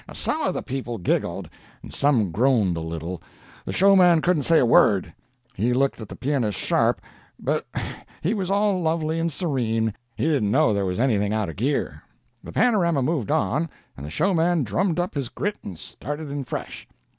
"Some of the people giggled, and some groaned a little. The showman couldn't say a word; he looked at the pianist sharp, but he was all lovely and serene he didn't know there was anything out of gear. "The panorama moved on, and the showman drummed up his grit and started in fresh.